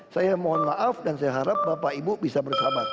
saya mohon maaf dan saya harap bapak ibu bisa bersahabat